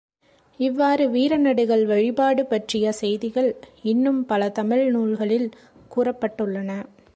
இவ்வாறு வீர நடுகல் வழிபாடு பற்றிய செய்திகள் இன்னும் பல தமிழ் நூல்களில் கூறப்பட்டுள்ளன.